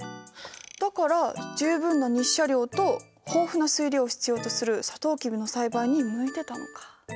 だから十分な日射量と豊富な水量を必要とするさとうきびの栽培に向いてたのか。